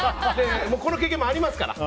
この経験もありますから。